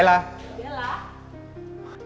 udah nih udah u